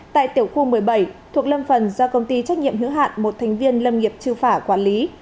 tại tiểu khu một mươi bảy thuộc lâm phần do công ty trách nhiệm hữu hạn một thành viên lâm nghiệp trư phả quản lý